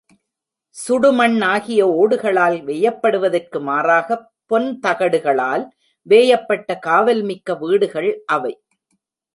சுடுமண் ஆகிய ஒடுகளால் வேயப்படுவதற்கு மாறாகப் பொன் தகடுகளால் வேயப்பட்ட காவல் மிக்க வீடுகள் அவை.